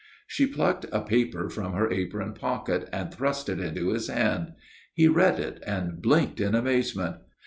She plucked a paper from her apron pocket and thrust it into his hand. He read it, and blinked in amazement.